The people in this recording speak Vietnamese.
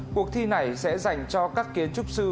cuộc thi này sẽ dành cho các kiến trúc sư